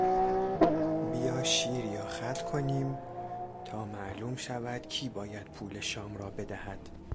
بیا شیر یا خط کنیم تا معلوم شود کی باید پول شام را بدهد.